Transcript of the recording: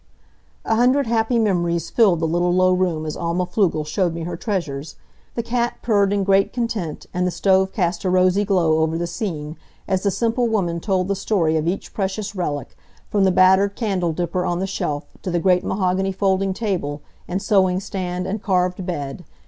A hundred happy memories filled the little low room as Alma Pflugel showed me her treasures. The cat purred in great content, and the stove cast a rosy glow over the scene as the simple woman told the story of each precious relic, from the battered candle dipper on the shelf, to the great mahogany folding table, and sewing stand, and carved bed.